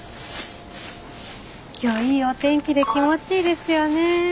今日いいお天気で気持ちいいですよね。